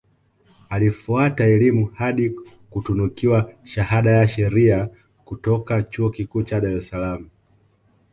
Alifuata elimu hadi kutunukiwa shahada ya Sheria kutoka Chuo Kikuu cha Dar es Salaam